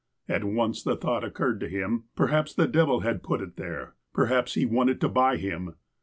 At once the thought oc curred to him :" Perhaps the devil had put it there ; perhaps he wanted to buy him."